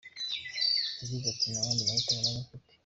Yagize ati “Nta yandi mahitamo nari mfite.